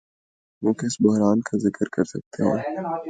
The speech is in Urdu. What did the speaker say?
وہ کس بحران کا ذکر کرسکتے ہیں؟